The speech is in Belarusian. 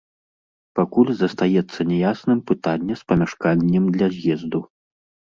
Пакуль застаецца няясным пытанне з памяшканнем для з'езду.